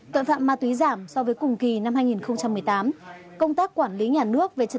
tội phạm ma túy giảm so với cùng kỳ năm hai nghìn một mươi tám